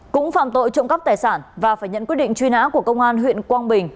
cũng phạm tội trộm cắp tài sản và phải nhận quyết định truy nã của công an huyện quang bình